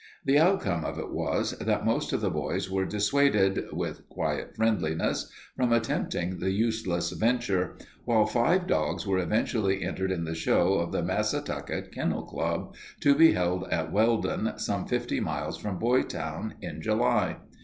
The outcome of it was that most of the boys were dissuaded, with quiet friendliness, from attempting the useless venture, while five dogs were eventually entered in the show of the Massatucket Kennel Club, to be held at Welden, some fifty miles from Boytown, in July.